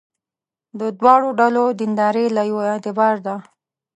د دواړو ډلو دینداري له یوه اعتباره ده.